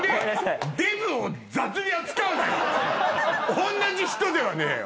おんなじ人ではねえよ！